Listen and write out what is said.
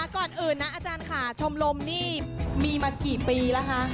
ก่อนอื่นนะอาจารย์ค่ะชมรมนี่มีมากี่ปีแล้วคะ